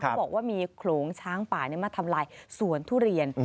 เขาบอกว่ามีโขลงช้างป่ามาทำลายสวนทุเรียน